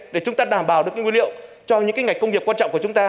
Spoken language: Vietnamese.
để chúng ta đảm bảo được nguyên liệu cho những ngành công nghiệp quan trọng của chúng ta